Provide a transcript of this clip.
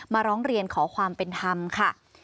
ร้องเรียนขอความเป็นธรรมค่ะ